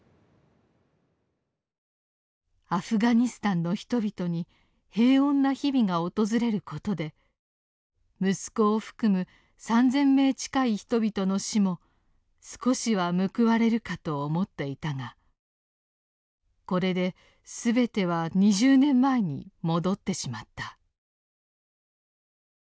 「アフガニスタンの人々に平穏な日々が訪れることで息子を含む３，０００名近い人々の死も少しは報われるかと思っていたがこれですべては２０年前に戻ってしまった」。